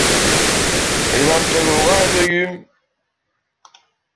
Les ventes globales de Yum!